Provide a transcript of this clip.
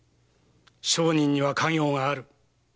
商人には家業がある。